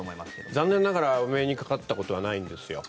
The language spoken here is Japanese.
残念ながらお目にかかったことはないんですよ。